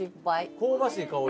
香ばしい香り。